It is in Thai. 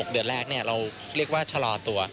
เดือนแรกเราเรียกว่าชะลอตัว